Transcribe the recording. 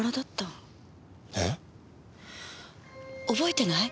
覚えてない？